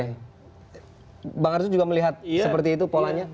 jadi di jakarta juga melihat seperti itu polanya